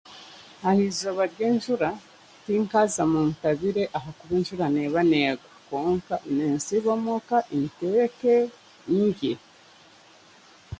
Aha izooba ry'enjura tinkaza muntabire ahakuba enjura neeba n'egwa konka ninsiiba omuka, nteeke ndye.